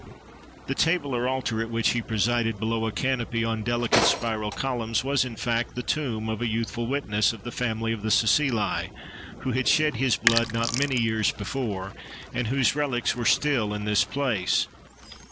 The table or altar at which he presided, below a canopy on delicate spiral columns, was in fact the tomb of a youthful "witness," of the family of the Cecilii, who had shed his blood not many years before, and whose relics were still in this place.